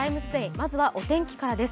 まずはお天気からです。